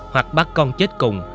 hoặc bắt con chết cùng